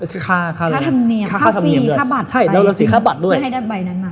ค่าฟรีค่าบัตรไม่ให้ได้ใบนั้นมา